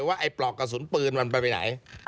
ว่าไอ้ปลอกกระสุนปืนมันไปไหน